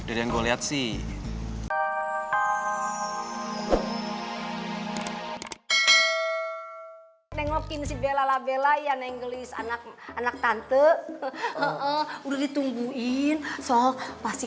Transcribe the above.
udah yang gua liat sih